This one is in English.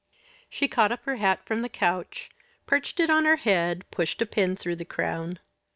She caught up her hat from the couch, perched it on her head, pushed a pin through the crown.